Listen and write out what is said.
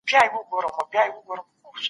تخنيکي پرمختيا مه هېروئ.